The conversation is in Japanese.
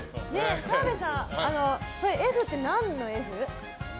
澤部さん、Ｆって何のＦ？